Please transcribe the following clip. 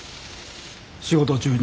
仕事中に。